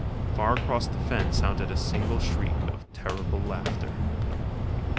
Far across the fen sounded a single shriek of terrible laughter.